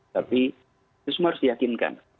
tapi itu semua harus diyakinkan